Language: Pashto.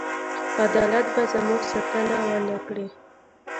عدالت به زموږ ساتنه ونه کړي.